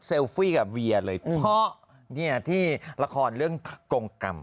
มีเหมียวก็ก็เซลฟี่กับเวียเลยเพราะที่ละครเรื่องกรงกรรม